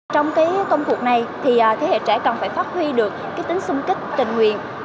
trong công cuộc này thì thế hệ trẻ cần phải phát huy được tính xung kích tình nguyện